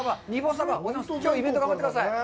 イベント、頑張ってください。